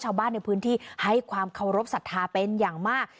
ชาวบ้านในพื้นที่ให้ความเคารพสัทธาเป็นอย่างมาก